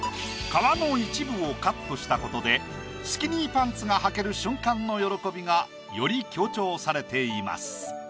皮の一部をカットしたことでスキニーパンツがはける瞬間の喜びがより強調されています。